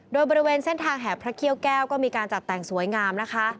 โดยบริเวณเส้นทางแห่พระเขี้ยวแก้วก็มีการจัดแต่งสวยงามนะคะ